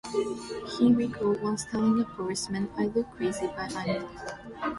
He recalled once telling a policeman: I look crazy but I'm not.